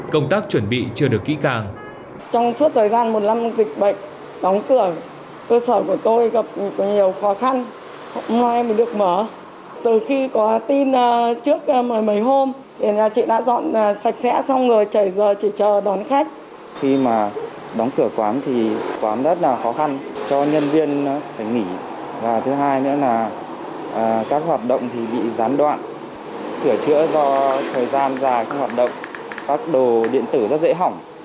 các chuẩn bị chưa được kỹ càng